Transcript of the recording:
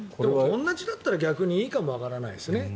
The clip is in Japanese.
同じだったら逆にいいかもわからないですね。